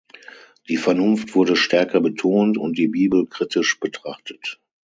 Die Vernunft wurde stärker betont und die Bibel kritisch betrachtet.